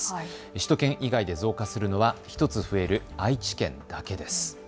首都圏以外で増加するのは１つ増える愛知県だけです。